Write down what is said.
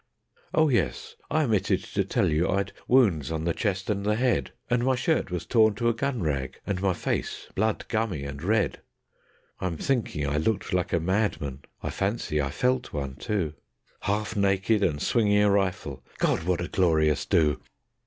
Oh yes, I omitted to tell you, I'd wounds on the chest and the head, And my shirt was torn to a gun rag, and my face blood gummy and red. I'm thinking I looked like a madman; I fancy I felt one too, Half naked and swinging a rifle. ... God! what a glorious "do".